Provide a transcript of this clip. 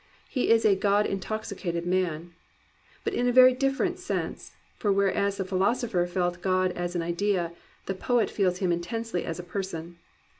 He is a "God intoxicated man. But in a very differ ent sense, for whereas the philosopher felt God as an idea, the poet feels Him intensely as a person.